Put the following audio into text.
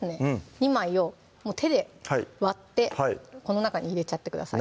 ２枚をもう手で割ってこの中に入れちゃってください